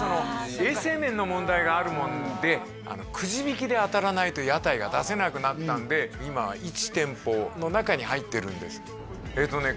衛生面の問題があるもんでくじ引きで当たらないと屋台が出せなくなったんで今は一店舗の中に入ってるんですえーとね